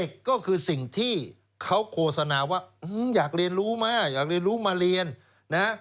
ก็คือสิ่งที่เขาโฆษณาว่าอยากเรียนรู้มาอยากเรียนรู้มาเรียนนะ